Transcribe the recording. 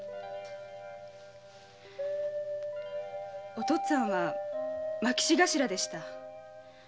お父っつぁんは牧士頭でした。